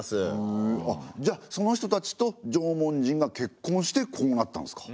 じゃあその人たちと縄文人がけっこんしてこうなったんすか？